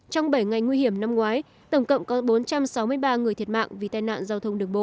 trong bảy ngày nguy hiểm năm ngoái tổng cộng có bốn trăm sáu mươi ba người thiệt mạng vì tai nạn giao thông đường bộ